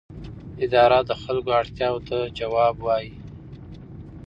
اداره د خلکو اړتیاوو ته ځواب وايي.